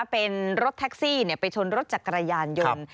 เป็นรถแท็กซี่ไปชนรถจักรยานยนต์